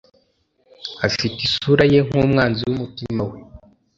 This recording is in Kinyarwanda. Afite isura ye nkumwanzi wumutima we